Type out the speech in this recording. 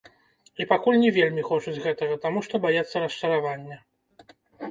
І пакуль не вельмі хочуць гэтага, таму што баяцца расчаравання.